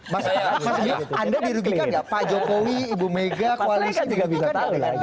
mas gita anda dirugikan gak pak jokowi ibu mega koalisi juga bisa tahu